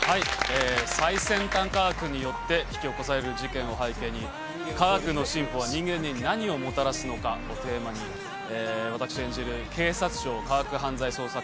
最先端科学によって、引き起こされる事件を背景に、科学の進歩は人間に何をもたらすのかをテーマに、私演じる警察庁科学犯罪対策